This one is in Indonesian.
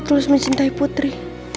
terus mencintai putri